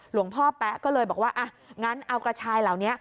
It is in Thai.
หลวงพ่อแป๊ะก็เลยบอกว่าอ่ะงั้นเอากระชายเหล่านี้